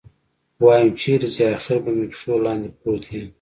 ويم چېرې ځې اخېر به مې پښو لاندې پروت يې.